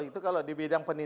itu kalau di bidang pendidikan